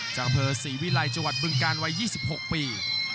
จากเผอร์ศรีวิลัยจบึงการวัย๒๖ปี